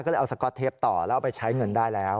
ก็เลยเอาสก๊อตเทปต่อแล้วเอาไปใช้เงินได้แล้ว